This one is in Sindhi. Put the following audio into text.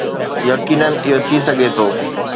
يقينن اهو ٿي سگهي ٿو